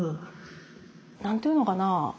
何て言うのかな